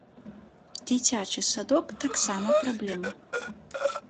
Дзіцячы садок таксама праблема.